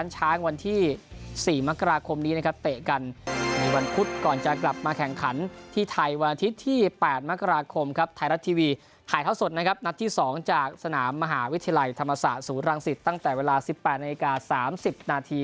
สามสิบนาทีครับ